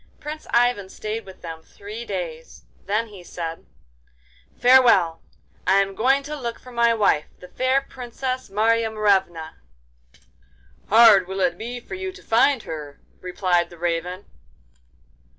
Prince Ivan stayed with them three days; then he said: 'Farewell! I am going to look for my wife, the fair Princess Marya Morevna.' 'Hard will it be for you to find her,' replied the Raven.